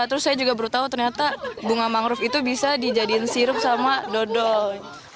terus saya juga baru tahu ternyata bunga mangrove itu bisa dijadikan sirup sama dodol